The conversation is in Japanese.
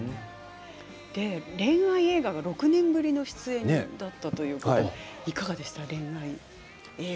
恋愛映画が６年ぶりの出演ということでいかがでしたか？